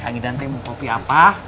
kang idan teh mau kopi apa